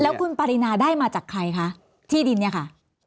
แล้วคุณปรินาได้มาจากใครคะที่ดินเนี่ยค่ะ